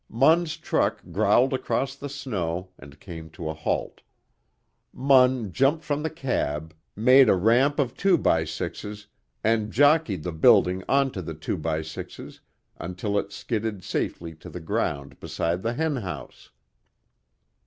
Munn's truck growled across the snow and came to a halt. Munn jumped from the cab, made a ramp of two by sixes and jockeyed the building onto the two by sixes until it skidded safely to the ground beside the hen house.